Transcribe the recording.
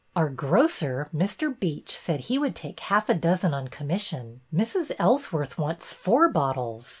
Our grocer, Mr. Beech, said he would take half a dozen on commission. Mrs. Ellsworth wants four bottles.